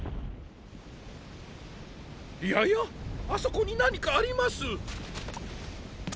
ややっあそこになにかあります！